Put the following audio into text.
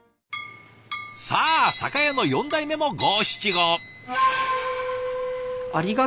さあ酒屋の４代目も五七五。